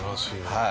はい。